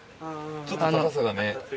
ちょっと高さがね。